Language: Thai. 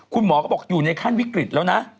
คุณหมอก็บอกอยู่ในขั้นวิกฤตแล้วนะ